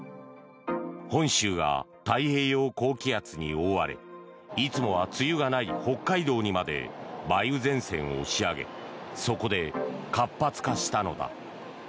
本州が太平洋高気圧に覆われいつもは梅雨がない北海道にまで梅雨前線を押し上げそこで活発化したのだ。